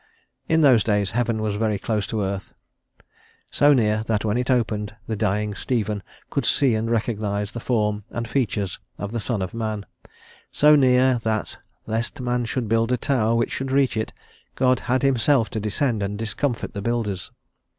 In those days heaven was very close to earth: so near that when it opened, the dying Stephen could see and recognise the form and features of the Son of Man; so near that, lest man should build a tower which should reach it, God had himself to descend and discomfit the builders.